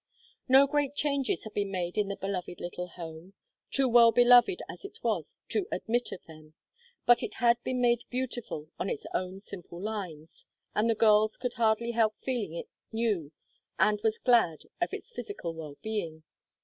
No great changes had been made in the beloved little home too well beloved as it was to admit of them but it had been made beautiful on its own simple lines, and the girls could hardly help feeling it knew and was glad of its physical well being.